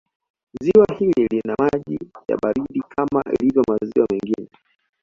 Ziwa hili lina maji ya baridi kama ilivyo maziwa mengine